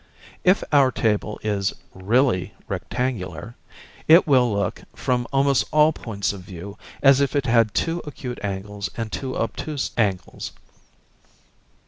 If our table is 'really' rectangular, it will look, from almost all points of view, as if it had two acute angles and two obtuse angles.